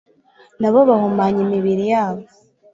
na bo bahumanya imibiri yabo